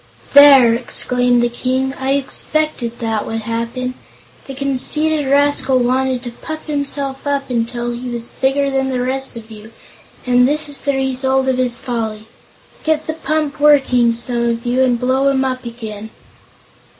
"There!" exclaimed the King; "I expected that would happen. The conceited rascal wanted to puff himself up until he was bigger than the rest of you, and this is the result of his folly. Get the pump working, some of you, and blow him up again."